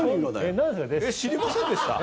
知りませんでした？